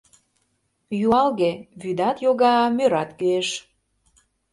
— Юалге, вӱдат йога, мӧрат кӱэш...